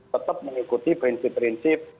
tetap mengikuti prinsip prinsip